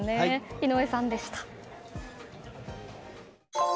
井上さんでした。